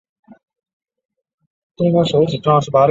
它们是巴西东南部圣保罗州及巴拉那州海岸区的特有种。